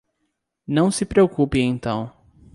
Não se preocupe então.